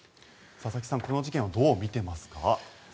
佐々木さん、この事件をどう見ていますか？